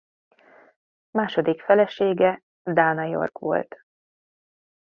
Második felesége Dana York volt.